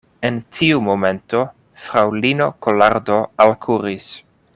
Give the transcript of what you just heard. En tiu momento, fraŭlino Kolardo alkuris.